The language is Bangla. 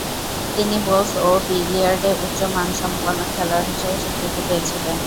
তিনি বোলস ও বিলিয়ার্ডে উচ্চ মানসম্পন্ন খেলোয়াড় হিসেবে স্বীকৃতি পেয়েছিলেন।